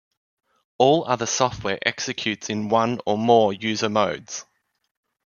All other software executes in one or more user modes.